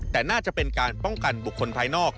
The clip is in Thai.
แต่น่าจะเป็นการป้องกันบุคคลภายนอก